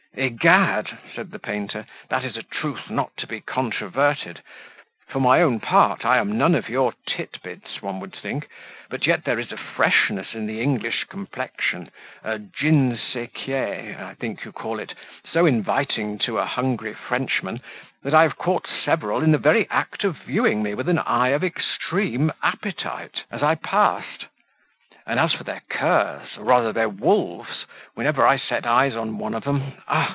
"Egad!" cried the painter, "that is a truth not to be controverted: for my own part, I am none of your tit bits, one would think; but yet there is a freshness in the English complexion, a ginseekye, I think you call it, so inviting to a hungry Frenchman, that I have caught several in the very act of viewing me with an eye of extreme appetite, as I passed; and as for their curs, or rather their wolves, whenever I set eyes on one of 'em, Ah!